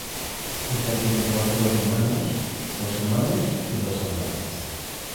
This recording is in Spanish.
Ella tiene cuatro hermanos, dos hermanos y dos hermanas.